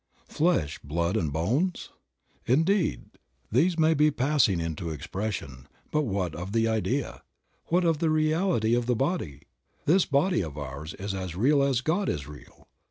Flesh, blood and bones? Indeed, these may be passing into expression, but what of the idea, what of the reality of the body? This body of ours is as real as God is real.